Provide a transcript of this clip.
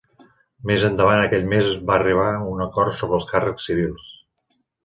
Més endavant aquell mes va arribar a un acord sobre els càrrecs civils.